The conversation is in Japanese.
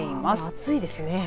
暑いですね。